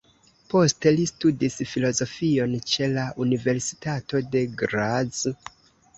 Poste li studis filozofion ĉe la Universitato de Graz.